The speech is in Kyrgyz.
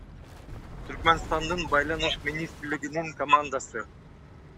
Түркмөнстандын Байланыш министрлигинин командасы.